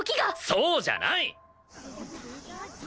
そうじゃない！